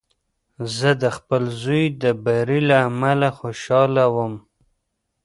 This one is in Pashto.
زه د خپل زوی د بري له امله خوشحاله وم.